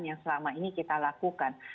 yang selama ini kita lakukan